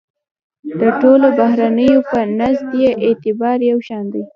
د ټولو بهیرونو په نزد یې اعتبار یو شان دی.